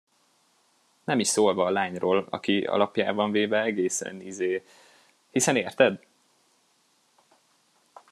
Nem is szólva a lányról, aki alapjában véve egészen izé… hiszen érted?